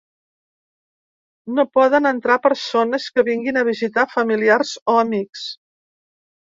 No poden entrar persones que vinguin a visitar familiars o amics.